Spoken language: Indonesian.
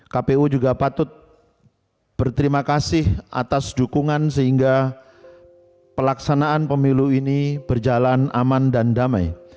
kpu juga patut berterima kasih atas dukungan sehingga pelaksanaan pemilu ini berjalan aman dan damai